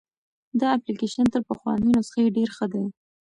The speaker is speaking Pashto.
دا اپلیکیشن تر پخواني نسخه ډېر ښه دی.